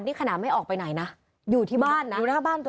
นี่ขนาดไม่ออกไปไหนนะอยู่ที่บ้านนะ